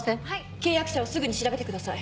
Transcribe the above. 契約者をすぐに調べてください。